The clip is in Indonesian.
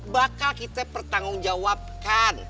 bakal kita pertanggungjawabkan